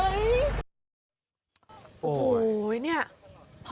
หนูเป็นห่วงพ่อ